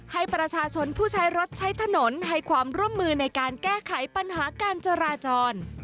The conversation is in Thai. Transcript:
ให้ประชาชนผู้ใช้รถใช้ถนนให้ความร่วมมือในการแก้ไขปัญหาการจราจร